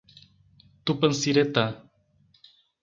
Tupanciretã